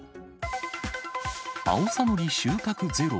アオサノリ収穫ゼロ？